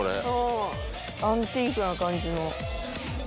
アンティークな感じの。